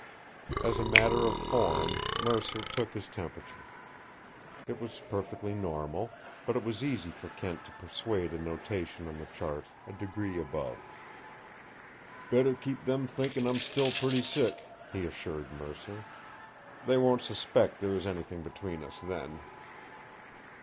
As a matter of form, Mercer took his temperature. It was perfectly normal, but it was easy for Kent to persuade a notation on the chart a degree above. "Better keep them thinking I'm still pretty sick," he assured Mercer. "They won't suspect there is anything between us then."